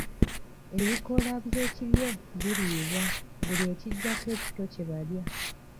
Ebikoola by’ekiryo biriibwa, buli ekijjako ekito kye balya.